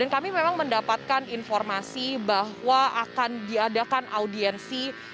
kami memang mendapatkan informasi bahwa akan diadakan audiensi